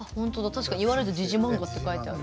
確かに言われたら「時事漫画」って書いてある。